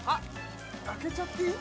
開けちゃっていい？